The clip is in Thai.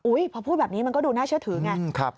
พอพูดแบบนี้มันก็ดูน่าเชื่อถือไง